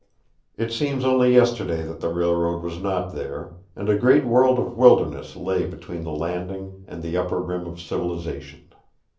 It seems only yesterday that the railroad was not there, and a great world of wilderness lay between the Landing and the upper rim of civilization.